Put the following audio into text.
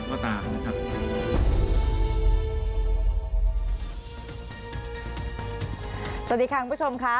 สวัสดีค่ะคุณผู้ชมค่ะ